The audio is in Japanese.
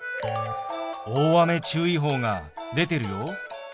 大雨注意報が出てるよ。